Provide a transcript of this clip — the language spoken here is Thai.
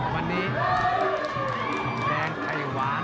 วันนี้แดงไข่หวาน